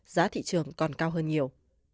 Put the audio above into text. giá thị trường còn cao hơn nhiều